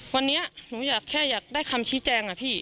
วันนี้หนูอยากแค่อยากได้คำชี้แจงอะพี่